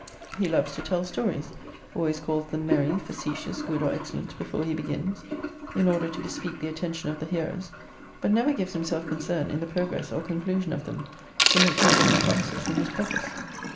He loves to tell stories: always calls them merry, facetious, good, or excellent, before he begins, in order to bespeak the attention of the hearers, but never gives himself concern in the progress or conclusion of them, to make good what he promises in his preface.